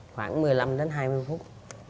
khoảng một mươi năm đến hai mươi phút